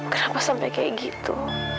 kenapa sampai kayak gitu